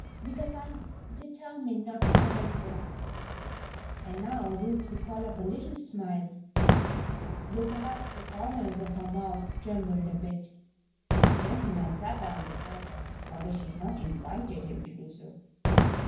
"Because I am determined not to cry, sir," and now Ruth could call up a little smile, though perhaps the corners of her mouth trembled a bit. The gentleman sat down beside her, although she had not invited him to do so.